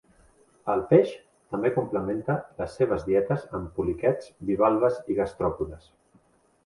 El peix també complementa les seves dietes amb poliquets, bivalves i gastròpodes.